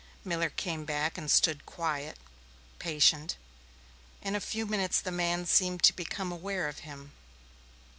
Miller came back and stood quiet, patient; in a few minutes the man seemed to become aware of him.